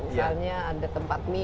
misalnya ada tempat minum